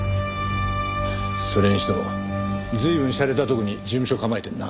それにしても随分しゃれた所に事務所構えてんな。